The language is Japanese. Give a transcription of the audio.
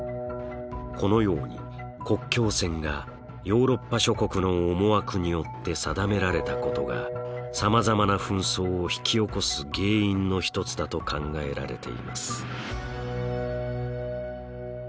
このように国境線がヨーロッパ諸国の思惑によって定められたことがさまざまな紛争を引き起こす原因の一つだと考えられています。